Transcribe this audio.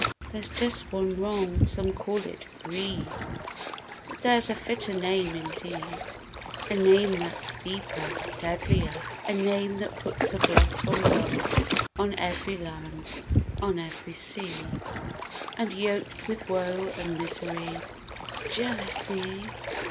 There's just one wrong: some call it "Greed!" But there's a fitter name indeed— A name that's deeper, deadlier; A name that puts a blot and blur On every land; on every sea, 206 \ And yoked with woe and misery— "Jealousy!"